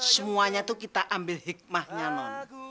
semuanya tuh kita ambil hikmahnya non